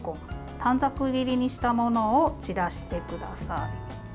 短冊切りにしたものを散らしてください。